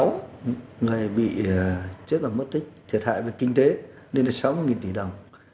năm hai nghìn một mươi sáu người bị chết và mất tích thiệt hại về kinh tế nên là sáu mươi tỷ đồng